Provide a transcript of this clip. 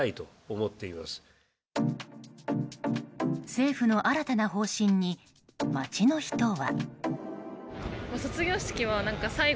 政府の新たな方針に街の人は。